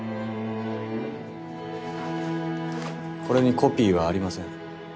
これにコピーはありません。